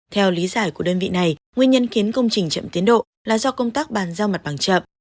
theo lý giải của đơn vị này nguyên nhân khiến công trình chậm tiến độ là do công tác bàn giao mặt bằng chậm